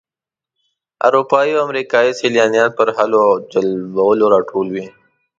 اروپایي او امریکایي سیلانیان پر حلواو او جلبیو راټول وي.